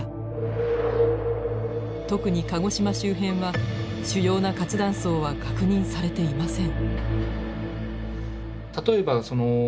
特に鹿児島周辺は主要な活断層は確認されていません。